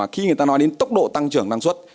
khi người ta nói đến tốc độ tăng trưởng năng suất